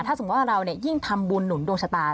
ถ้าสมมุติว่าเรายิ่งทำบุญหนุนดวงชะตา